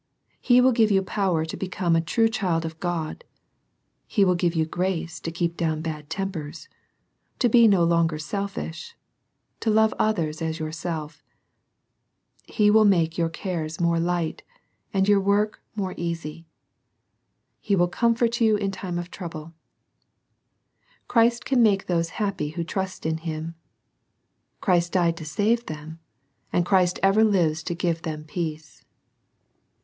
He will give you power to become a true child of God. He will give you grace to keep down bad tempers, — to be no longer selfish, — ^to love others as your self. He will make your cares more U^Kt, and CHILDREN WALKING IN TRUTH. 37 your work more easy. He will comfort you in time of trouble. Christ can make those happy who trust in Him. Christ died to save them, and Christ ever lives to give them peace.